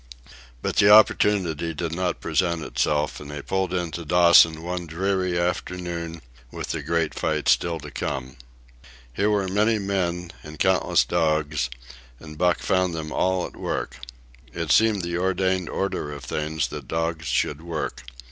But the opportunity did not present itself, and they pulled into Dawson one dreary afternoon with the great fight still to come. Here were many men, and countless dogs, and Buck found them all at work. It seemed the ordained order of things that dogs should work.